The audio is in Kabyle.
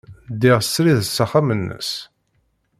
Ddiɣ srid s axxam-nnes.